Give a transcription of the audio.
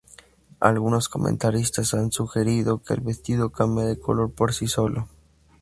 Algunos comentaristas han sugerido que el vestido cambia de color por sí solo.